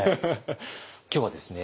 今日はですね